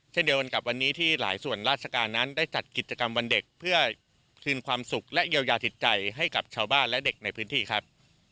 เช่นเดียวกันกับวันนี้ที่หลายส่วนราชการนั้นได้จัดกิจกรรมวันเด็กเพื่อคืนความสุขและเยียวยาจิตใจให้กับชาวบ้านและเด็กในพื้นที่ครับ